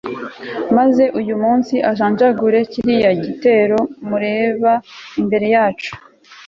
maze uyu munsi ajanjagure kiriya gitero mureba imbere yacu